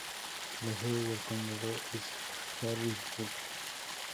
La sede del condado es Harrisburg.